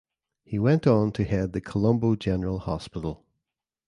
He went on to head the Colombo General Hospital.